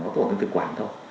có tổn thương thực quản thôi